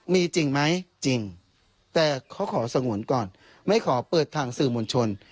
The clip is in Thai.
มีจริงไหมจริงแต่เขาขอสงวนก่อนไม่ขอเปิดทางสื่อมวลชน